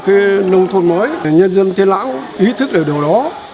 xây dựng nông thôn mới để nhân dân tiên lãng ý thức về điều đó